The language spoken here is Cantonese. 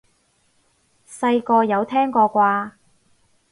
細個有聽過啩？